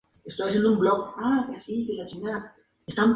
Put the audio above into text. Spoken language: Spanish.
A la vez, colaboró con el Ballet Ruso de Sergei Diaghilev.